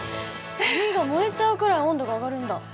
紙が燃えちゃうくらい温度が上がるんだ。